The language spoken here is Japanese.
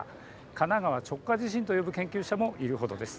神奈川直下地震と呼ぶ研究者もいるほどです。